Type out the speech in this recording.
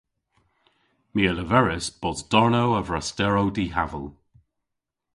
My a leveris bos darnow a vrasterow dihaval.